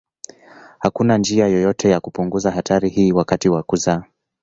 Hakuna njia yoyote ya kupunguza hatari hii wakati wa kuzaa.